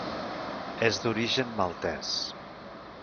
És d'origen maltès.